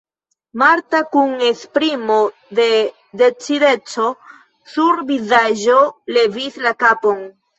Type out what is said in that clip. Marta kun esprimo de decideco sur la vizaĝo levis la kapon.